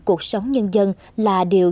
cuộc sống nhân dân là điều